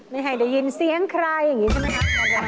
ไม่ให้ได้ยินเสียงใครอย่างนี้ใช่ไหมครับ